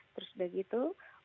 terus udah gitu